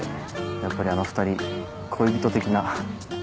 やっぱりあの２人恋人的な。